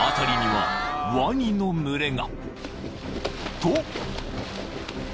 ［と］